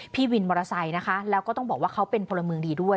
พี่วินมอเตอร์ไซค์นะคะแล้วก็ต้องบอกว่าเขาเป็นพลเมืองดีด้วย